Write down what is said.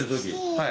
はい。